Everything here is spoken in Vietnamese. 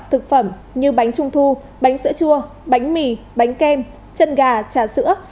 thực phẩm như bánh trung thu bánh sữa chua bánh mì bánh kem chân gà trà sữa